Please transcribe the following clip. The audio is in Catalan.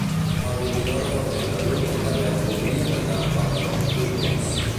El vint-i-nou de febrer na Bruna i na Beth voldrien anar a les Alcubles.